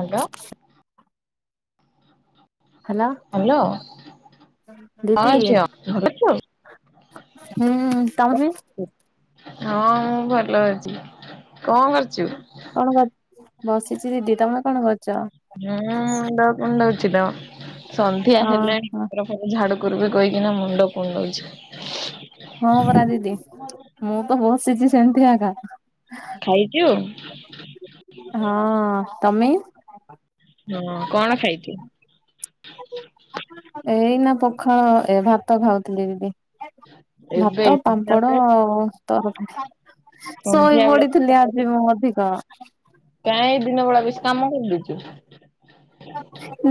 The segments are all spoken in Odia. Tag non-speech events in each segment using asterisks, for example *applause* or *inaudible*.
ହାଲୋ। Hello hello. ଦିଦି ହୁଁ ତମେ ହଁ ମୁଁ ଭଲ ଅଛି। କଁ କରୁଚୁ? କଣ କ ବସିଛି ଦିଦି। ତମେ କଣ କରୁଚ? ହୁଁ ମୁଣ୍ଡ କୁଣ୍ଡଉଚି ଲୋ ସନ୍ଧ୍ୟା ହେଲାଣି ହଁ। ର ଝାଡୁ କରିବେ କଇକିନା ମୁଣ୍ଡ କୁଣ୍ଡଉଛି। ହଁ ପରା ଦିଦି ମୁଁ ତ ବସିଚି ସେମ୍ତି ଏକା। ଖାଇଚୁ? ହଁ ତମେ ହୁଁ କଣ ଖାଇଚୁ? ଏଇନା ପଖାଳ ଏ ଭାତ ଖାଉଥିଲି ଦିଦି। ଏବେ ଭାତ ପାମ୍ପଡ଼ ଶୋଇ ସନ୍ଧ୍ୟା ବେଳେ ପଡିଥିଲି ଆଜି ମୁଁ ଅଧିକ। କାଇଁ ଦିନ ବେଳା ବେଶୀ କାମ କରିଲୁକି?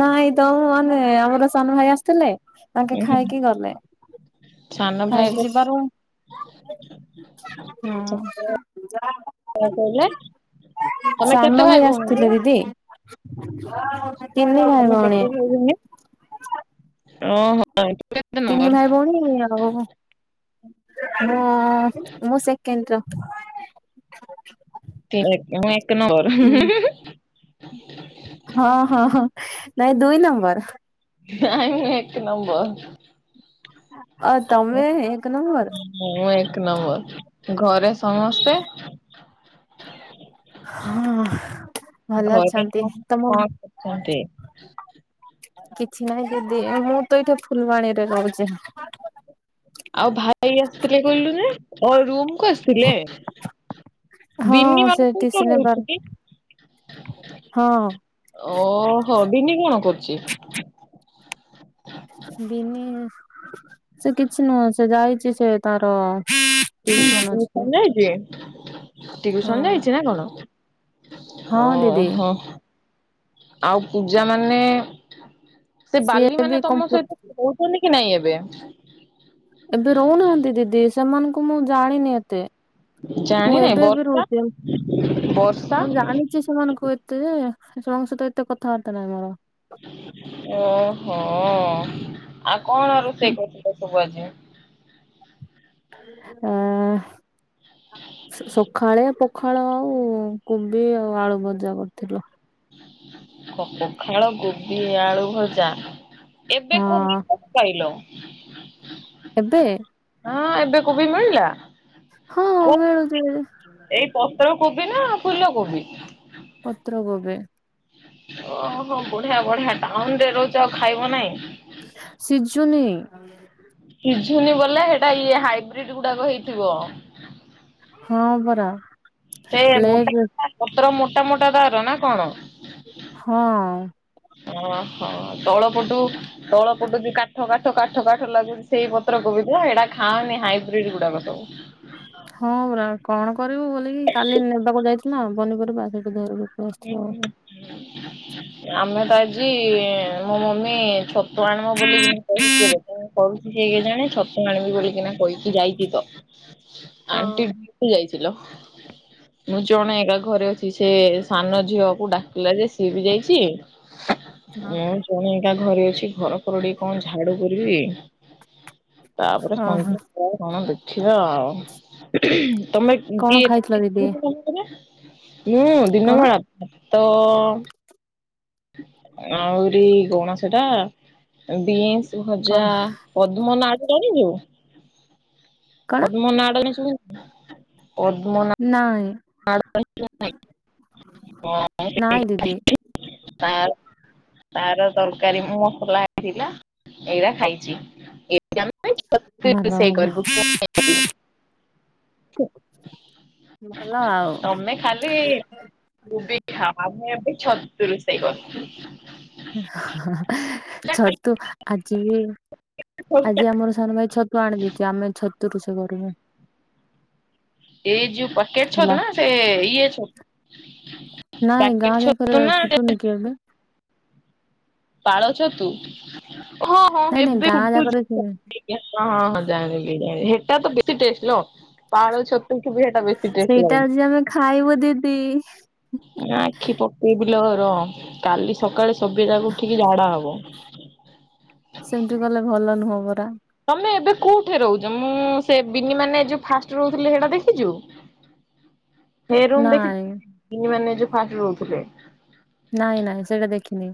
ନାଇଁ ତ ମାନେ ଆମର ସାନ ଭାଇ ଆସିଥିଲେ ଉଁ ତାଙ୍କେ ହୁଁ ଖାଇକି ଗଲେ। ସାନ ଭାଇ ହଁ। କହିଲେ ତମେ କେତେ ସାନ ଭାଇ ଭଉଣୀ କି ଆସିଥିଲେ ଦିଦି। ତିନି ଭାଇ ଭଉଣୀ। ଓ ହୋ। ତିନି ଭାଇ ଭଉଣୀ ଆଉ ମୁଁ ମୁଁ ସେକେଣ୍ଡ ର। *inaudible* *unintelligible* ନା ଏକ ନଂମ୍ବର। ହୁଁ। ହଁ ହଁ ହଁ ନାଇ ଦୁଇ ନମ୍ବର। ନାଇଁ ଏକ ନଂମ୍ବର। ଓ଼ ତମେ ଏକ ନମ୍ବର? ମୁଁ ଏକ ନମ୍ବର। ଘରେ ସମସ୍ତେ ହଁ ଭଲ ଘରେ ଅଛନ୍ତି। ସମସ୍ତେ ତମ କଣ କରୁଛନ୍ତି? କିଛି ନାହିଁ ଦିଦି ମୁଁ ତ ଏଇଠି ଫୁଲବାଣୀରେ ରହୁଚି। ଆଉ ଭାଇ ଆସିଥିଲେ କହିଲୁନି ଓ ରୁମ ଆସିଥିଲେ ଦିନି ହଁ ସେ ମାନେ କୋଉଠି ଟିସି କଣ ନେବାର ରହୁଛି କି? ହଁ। ଓ ହୋ ଵିନି କଣ କରୁଚି? ବିନି ସେ କିଛି ନୁହଁ ସେ ଯାଇଛି ସେ ତାର ଟିଉସନ ଅଛି *unintelligible* ନାହିଁକି? ହଁ ଟ୍ୟୁସନ ଯାଇଚି ନା କଣ? ହଁ ଓ ଦିଦି। ହୋ। ଆଉ ପୂଜା ମାନେ ସେ ବାଲି ସିଏ ବି ମାନେ ତମ କମ୍ପୁ ସହିତ କୋଉ କୁନ କି ନାଇଁ ଏବେ? ଏବେ ରହୁନାହାନ୍ତି ଦିଦି ସେମାନଙ୍କୁ ମୁଁ ଜାଣିନି ଏ ତେ ମୁଁ ଜାଣିନାହିଁ ଏବେ ଏବେ ବର୍ଷା ରହୁଛି। ବର୍ଷା ମୁଁ ଜାଣିଛି ସେମାନଙ୍କୁ ଏତ୍ ଏତେଯେ ଛୁଆଙ୍କ ସହିତ ଏତେ କଥାବାର୍ତ୍ତା ନାହିଁ ମୋର। ଓହୋ ଆଉ କଣ ରୋଷେଇ କରଥିଲେ ସବୁ ଆଜି? ଅ ସକାଳେ ପ୍ ଖାଳ ଆଉ କୋବି ଆଉ ଆଳୁ ଭଜା କରିଥିଲୁ। ପଖାଳ କୋବି ଆଳୁ ଭଜା। ଏବେ ହଁ କୋବି ପାଇଲ ଏବେ ହଁ ଏବେ କୋବି ମିଳଲା? ହଁ ମିଳୁଛି ଏବେବି। ଏଇ ପତ୍ର କୋବି ନା ଫୁଲ କୋବି? ପତ୍ର କୋବି। ଓହୋ ବଢିଆ ବଢିଆ ଟାଉନ ରେ ରହୁଛ ଆଉ ଖାଇବ ନାଇଁ। ଶିଝୁନି। ଶିଝୁନି ବଲେ ସେଇଟା ଇଏ ହାଇବ୍ରିଡ ଗୁଡାକ ହେଇଥିବ। ହଁ ପରା। ସେ ଲେଟ୍ ରେ *unintelligible* ପତ୍ର ମୋଟା ମୋଟା ତର ନା କଣ? ହଁ। ଅ ହଃ ତଳ ପଟୁ ତଳ ପଟୁ କାଠ କାଠ କାଠ କାଠ ଲାଗୁଚି ସେଇ ପତ୍ର କୋବିଧା ଏଇଟା ଖାଆନି ହାଇବ୍ରିଡ ଗୁଡାକ ସବୁ। ହଁ ପରା କଣ କରିବୁ ବୋଲିକି କାଲି ନେବାକୁ ଯାଇଥିଲନା ପନିପରିବା ସେଇଠି ଧରିବୁ। ଆମେ ତ ଆଜି ମୋ ମମି ଛତୁ ତୁ ଆଣିମୁଁ ବୁଲିକି। କହି ଥିଲୁ କଣ କରୁଚି କେ ଜାଣି ଛତୁ ଆଣିବ ବୋଲି କହିକିନା କଇକି ଯାଇଚି ତ। ଆଣ୍ଟି ଓହୋ। *unintelligible* ମୁଁ ଜଣେ ଏକା ଘରେ ଅଛି ସେ ସାନ ଝିଅକୁ ଡାକିଲା ଯେ ସିଏ ବି ଯାଇଚି ମୁଁ ମୁଇଁ ଏକା ଘରେ ଅଛି ଘର ଫର ଟିକେ କଣ ଝାଡୁ କରିବି। ତାପରେ ଓହୋ ସନ୍ଧ୍ୟା ପରେ କଣ ଦେଖିବା ଆଉ କଣ ଖାଇଥିଲ ଦିଦି ତମେ? କଣ *unintelligible* ଆହୁରି କଣ ସେଟା ବିନ୍ସ ଭଜା କଣ ପଦ୍ମନାଡୀ ଜାଣିଚୁ କଣ ପଦ୍ମନାଡ଼ରେ ସୁଣିନୁ? ପଦ୍ମନା ନାଇଁ। ନାଇଁ ଦିଦି *unintelligible* ତାର ତରକାରୀ ମୁଁ ମସଲା ହେଇଥିଲା ଏଇରା ଖାଇଚି ଏ ଭଲ ଭଲ *unintelligible* *inaudible* ଭଲ ଆଉ। ତମେ ଖାଲି *unintelligible* ଆମେ ଏବେ ଛତୁ ରୁଷେଇ କରିଚୁ। ଛତୁ ଆଜି ବି ଆଜି ଆମର ସାନ ଭାଇ ଛତୁ ଆଣିଦେଇଚି ଆମେ ଛତୁ ରୁଷେଇ କରୁବୁ। ଏଇ ଯୋଉ ପକେଟ ଛତୁ ନା ସେ ଇଏଛତୁ? ନାଇଁ ଗାଁ ଯାକରେ ନା ଫୁଟୁନି କି ଏବେ? ପାଳ ଛତୁ ହଁ ନାଇଁ ନାଇଁ ହଁଏବେ ଗାଁ ଫୁଟୁଚି। ଯାକରେ ସେ *unintelligible* ହଁ ହଁ ହଁ ଜାଣିଲି ହେଟା ତ ବେଶୀ ଟେଷ୍ଟେ ଲ ପାଳ ଛତୁ। ସେଇଟା ଆଜି ଆମେ ଖାଇବୁ ଦିଦି। ନା ଆଖି ପକେଇବି ଲୋ ରହ କାଲି ସକାଳେ ସବି ଯାକୁ ଉଠିକି ଝାଡା ହୋବୁ। ସେମିତି କଲେ ଭଲ ନୁହଁପରା। ତମେ ଏବେ କୋଉଠି ରୋହୁଚ ମୁଁ ସେ ବିିନି ମାନେ ଯୋଉ ଫାଷ୍ଟେ ରୋହୁଥିଲି ସେଟା ଦେଖିଚୁ? ନାଇଁ *unintelligible* ମାନେ ଯୋଉ ଫାଷ୍ଟେ ରୋହୁଥିଲେ। ନାଇଁ ନାଇଁ ସେଇଟା ଦେଖିନି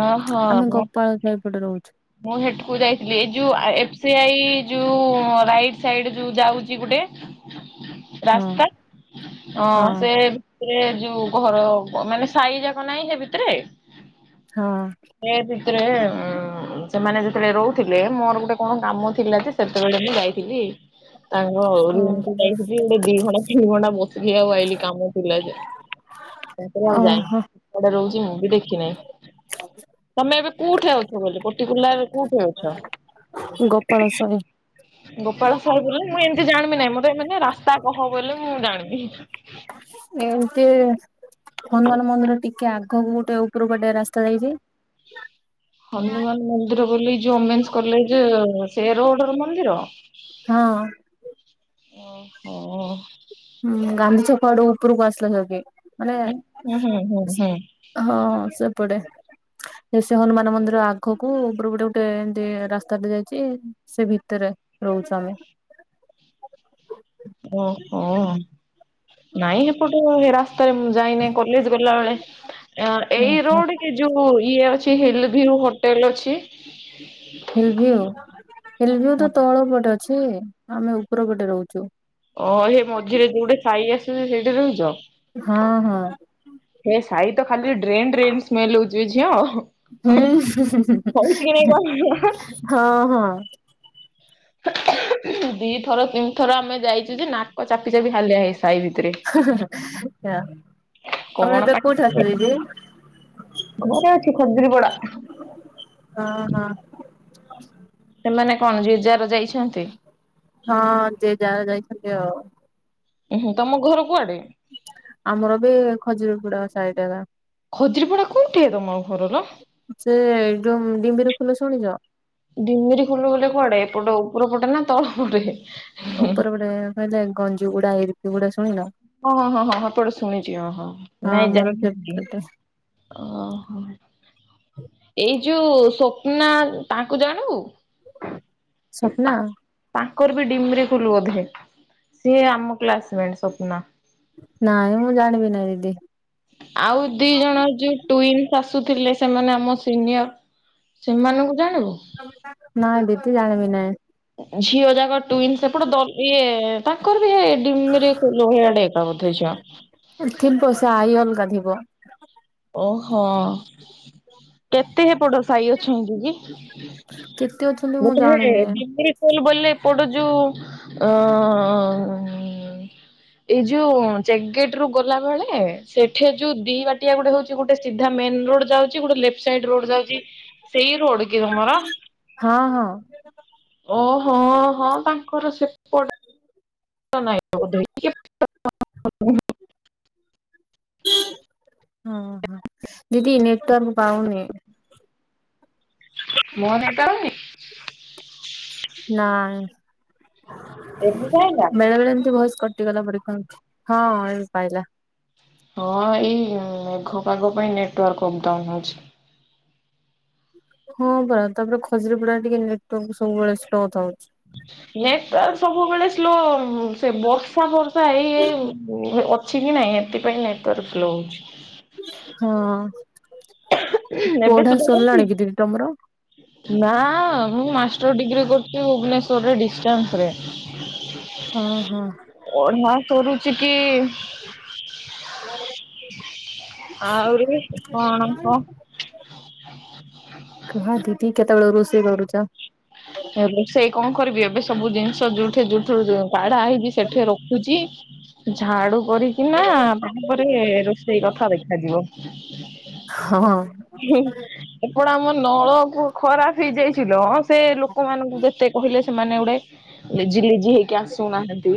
ଓହୋ ଆମେ ମୁଁ ଗୋପାଳ ଏପଟେ ରୋହୁଚୁ। ମୁଁ ହେଠୁକୁ ଯାଇଥିଲି ଏଇ ଯୋଉ ଏଫ ସି ଆଇ ଯୋଉ ରାଇଟ ସାଇଡ ଯୋଉ ଯାଉଚି ଗୁଟେ *unintelligible* ରାସ୍ତା ତ ହଁ ସେ ଇଏ ଯୋଉ ଘର ମାନେ ସାଇ ଯାକ ନାଇଁ ହେ ଭିତେ ରେ। ହଁ। ସେ ଭିତରେ ଉଁ ସେମାନେ ଯେତେବେଳେ ରୋ ହୁଥିଲେ ମୋର ଗୁଟେ କଣ କାମ ଥିଲା ଯେ ସେତେବେଳେ ମୁଁ ଯାଇଥିଲି ତାଙ୍କ ଓ ରୁମକୁୁ ଯାଇଥିଲି ଗୁଟେ ଦି ଘଣ୍ଟା ତିନି ଘଣ୍ଟା ବସିଲି ଆଉ ଆଇଲିି କାମ ଥିଲା ଯେ। *unintelligible* ତାପରେ ଆଉ ଯାଇନି ଓହୋ କୁଆଡେ ରୋହୁଚି ମୁଁ ବି ଦେଖିନାଇଁ। *inaudible* ତମେ ଏବେ କୋଉଠେ ଅଛ ବୋଲି ପଟିକୁଲାର କୋଉଠି ଅଛ? ଗୋପାଳ ସାହି ଗୋପାଳ ସାହୁ ବୋଲଲେ ମୁଁ ଏମିତି ଜାଣିବି ନହିଁ ମତେ ଏ ମାନେ ରାସ୍ତା କହ ବୋଲି ମୁଁ ଜାଣିବି। ଏମତି। ହନୁମାନ ମନ୍ଦିର ଟିକେ ଆଗକୁ ଗୋଟେ ଉପର ଗଟେ ରାସ୍ତା ଯାଇଛି। ହନୁମାନ ମନ୍ଦିର ବୋଲି ଓମେ କଲେଜ ସେ ରୋଡ ର ମନ୍ଦିର। ହଁ। ଓହୋ। ହୁଁ ଗାନ୍ଧୀ ଛକ ପାଡ ଉପରୁ ବସିଲେ ମାନେ ହୁଁ ହୁଁ ହୁଁ ହୁଁ ହଁ ସେପଟେ। ସେ ସେ ହନୁମାନ ମନ୍ଦିର ଆଗକୁ ଉପର ଗୋଟେ ଗୋଟେ ଏମତି ରାସ୍ତାଟେ ଯାଇଛି। ସେ ଭିତରେ ରହୁଛୁ ଆମେ। ଓହ ହିଁ। ନାଇଁ ଏପଟେ ରାସ୍ତାରେ ମୁଁ ଯାଇନି କଲେଜ ଗଲାବେଳେ। ଏଇ ଓହୋ ରୋଡ କି ଯୋଉ ଇଏ ଅଛି ହିଲ ଭିଉ ହୋଟେଲ ଅଛି? *unintelligible* ହିଲ ଭିଉ ହିଲ ଭିଉ ହଁ। ତ ତଳ ପଟେ ଅଛି ଆମେ ଉପର ପଟେ ରହୁଛୁ। ଓହୋ ସେ ମଝିରେ ଯୋଉଟେ ସାଇ ଆସୁଛି ସେଇଠି ରହୁଛ? ହଁ ହଁ। ହେ ସାଇ ତ ଖାଲି ଡଡ୍ରେ ଡ୍ରେନ ସ୍ମେଲ ହଉଛି ଝିଅ। ହଉଛି କି ନାଇଁ କଣ ହ ହଁ ହଁ। ଦି ଥର ତିନି ଥର ଆମେ ଯାଇଛୁ ଯେ ନାକ ଚାପି ଚାପି ହାଲିଆ ହେଇ ସାହି ଭିତରେ। *unintelligible* ତମେ ଏବେ କୋଉଠି ଅଛ ଦିଦି? *unintelligible* ହଁ ହଁ। ସେମାନେ କଣ ଯେ ଯାହାର ଯାଇଛନ୍ତି? ହଁ ଯେ ଯାହା ଯାଇଛନ୍ତି ଆଉ। ଉୁଁ ତମ ଘର କୁଆଡେ? ଆମର ବି ଖଜୁରୀ ପୁଡା ସାଇଡଲା। ଖଜୁରିପଡା କୋଉଠିଏ ତମ ଘର? ସେ ଯୋଉ ଡିମ୍ବିର ଫୁଲ ଶୁଣିଛ? ଢିମିରି ଖୋଲୁ ବଲେ କୁଆଡେ ଏପଟ ଉପର ପଟେ ନା ତଳ ପଟେ? ଉପର ଗୋଟେ କହିଲେ ଗଞ୍ଜି ଗୁଡା ଏରପ ଗୁଡା ଶୁଣିନ? ଓ ହଁ ହଁ ହଁ ହଁପଟେ ଶୁଣିଛି ଓ ହଁ ନାଇଁ ଯା ଆମର ସେପଟେ ଓହୋ। ଏଇ ଯୋଉ ସ୍ୱପ୍ନା ତାଙ୍କୁ ଜାଣୁ? ସ୍ୱପ୍ନା? ତାଙ୍କର ବି ଡିମରି ରେ କୁଲୁ ବୋଧେ ସିଏ ଆମ କ୍ଲାସମେଟ୍ ସୋପ୍ନା। ନାଇଁ ମୁଁ ଜାଣିବି ନାହିଁ ଦିଦି। ଆଉ ଦି ଜଣ ଯୋଉ ଟ୍ୱିନଶ୍ ଆସୁ ଥିଲେ ସେମାନେ ଆମ ସିନିୟର। ସେମାନଙ୍କୁ ଜାଣିବୁ? ନା ଦିଦି ଜାଣିବି ନାଇଁ। ଝିଅ ଜାଗ ଟୁଇନ୍ସ ସେପଟେ ଦ ଇଏ ତାଙ୍କର ବି ଏ ଡିମି ଲୋହଆ ଟା ଏକା ବୋଧେ ଝିଅ। କିନ୍ତୁ ସେ ଆଇ ଅଲଗାଥିବ। ଓହୋ କେତେ ହେପଟ ସାହି ଅଛନ୍ତି କି? କେତେ ଅଛନ୍ତି ମୁଁ ମୁଁ କହିଲି ଜାଣିନି ଡିମିରି। କ ବୋଇଲେ ଏପଟ ଯୋଉ ଅ ଏଇ ଯୋଉ ଚେକ୍ ଗେଟ୍ ରୁ ଗଲାବେଳେ ସେଠି ଯୋଉ ଦି ବାଟ ଟିଆ ଗୋଟେ ହଉଛି ଗୋଟେ ସିଧା ମେନ ରୋଡ ଯାଉଛି ଗୋଟେ ଲେଫ୍ଟ ସାଇଡ ରୋଡ ଯାଉଛି ସେଇ ରୋଡ କି ତମର? ହଁ ହଁ। ଓ ହଁ ହଁ ତାଙ୍କର ସେପଟେ। ନାଇଁ ଚ ବୋଧେ ହ ହ ଦିଦି ନେଟୱର୍କ ପାଉନି। ମୋ ନେଟୱଆର୍କ? ନା ଏବେ ପାଇଲା ବେଳେ ବେଳେ ଏମିତି ଭଏସ କଟ ଟିଗଲା ପରି ହଁ ଏବେ ପାଇଲା। ହଁ ଏଇ ମେଘ ପାଗ ପାଇଁ ନେଟୱାର୍କ ଅପ୍ ଡାଉନ ହଉଚି। ହଁ ପରା ତାପରେ ଖଜୁରୀ ପଡା ଟିକେ ନେଟୱାର୍କ ସବୁବେଳେ ସ୍ଲୋ ଥାଉଛି। ନେଟୱର୍କ ସବୁବେଳେ ସ୍ଲୋ ସେ ବର୍ଷା ଫର୍ଷା ହେଇ ହେଇ ଅ ଅଛି କି ନାଇଁ ଏଥିପାଇଁ ନେଟୱାର୍କ୍ ସ୍ଲୋ ହଉଛି। ହଁ ଏବେ ପଢା ସୁଧା କରୁଛି? ସରିଲାଣି କି ଦିଦି ତମର? ନା ମୁଁ ମାଷ୍ଟର ଡିଗ୍ରୀ କରୁଛି ଭୁବନେଶ୍ୱରରେ ଡିସ୍ଟାନ୍ସ୍ ରେ। ହଁ ହଁ। ପଢ଼ା ସରୁଛି କି? ଆହୁରି କଣ କହ? କୁହ ଦିଦି କେତେବେଳେ ରୋଷେଇ କରୁଛ? ରୋଷେଇ କଣ କରିବି ଏବେ ସବୁ ଜିନିଷ ଯୋଉଠି ଯୋଉଠୁ କଢା ହେଇଛି ସେଠି ରଖୁଛି। ଝାଡୁ କରି କି ନା ତାପରେ ରୋଷେଇ କଥା ଦେଖାଯିବ। ହଁ ସେପଟ ଆମ ନଳକୁପ୍ ଖରାପ ହେଇଯାଇଚି ଲ ସେ ଲ ଲୋକ ମାନଙ୍କୁ ଯେତେ କହିଲେ ସେମାନେ ଗୋଟେ ଲେଜି ଲିଜି ହେଇକି ଆସୁନାହାନ୍ତି।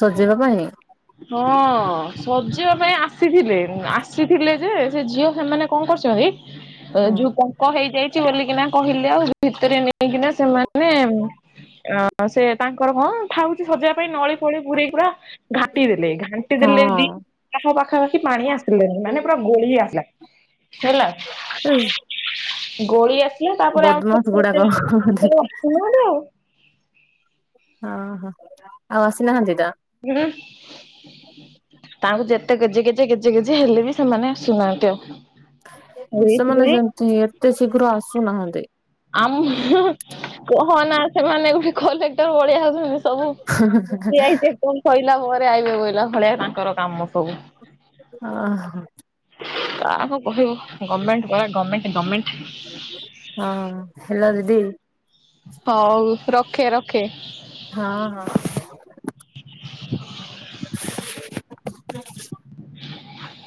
ସଜେଇବା ପାଇଁ? ହଁ ସଜେଇବା ପାଇଁ ଆସିଥିଲେ ଆସିଥିଲେ ଯେ ସେ ଝିଅ ସେମାନେ କଣ କରୁଛନ୍ତି ହଁ ଯୋଉ ପଙ୍କ ହେଇଯାଇଛି ବୋଲିକିନା କହିଲେ ଆଉ ଭିତରେ ନେଇକିନା ସେମାନେ ଅ ସେ ତାଙ୍କର କଣ? କ ହଉଛି ସଜବା ପାଇଁ ନଳି ଫଳି ପରେଇ ପୁରା ଘାଟି ଦେଲେ ଘାଣ୍ଟି ଦେଲେ ବି। ହଁ ପାାଖ ପାଖାପାଖି ପାଣି ଆସିଲେ ମାନେ ପୁରା ଗୋଳି ଆସିଲା। ହେଲା। ଏ ଗୋଳି ଆସିଲେ ତାପରେ ଆଉ ବଦମାସ ଗୁଡାକ ହଁ ଆସିନାହାନ୍ତି ଆଉ। ଓହୋ ଆଉ ଆସିନାହାନ୍ତି ତ। ହ। ତାଙ୍କୁ ଯେତେ ଗେଜେ ଗେଜେ ଗେଜେ ଗେଜେ ହେଲେ ବି ସେମାନେ ଆସୁନାହାନ୍ତି ଆଉ। ସେମାନେ ଏଇଥିପାଇଁ ସେମିତି ଏତେ ଶୀଘ୍ର ଆସୁନାହାନ୍ତି। ଆମ କହନା ସେମାନେ ଗୋଟେ କଲେକ୍ଟର ଭଳିଆ ଆସୁଛନ୍ତି ସବୁ। ଠିଆ ହୋଇଥିବେ ପୁଣି କହିଲା ପରେ ଆଇବେ କହିଲ ଭଳିଆ ତାଙ୍କର କାମ ସବୁ। ଓ ହୋ। କାହାକୁ କହିବୁ ଗଭର୍ଣ୍ଣମେଣ୍ଟ ପରା ଗମେଣ୍ଟ ଗମେଣ୍ଟ। ହଁ ହେଲୋ ଦିଦି। ହଉ ରଖେ ରଖେ। ହଁ ହଁ। *unintelligible* *unintelligible*